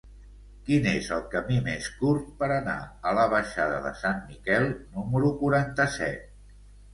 Quin és el camí més curt per anar a la baixada de Sant Miquel número quaranta-set?